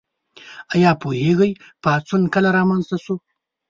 ایا پوهیږئ پاڅون کله رامنځته شو؟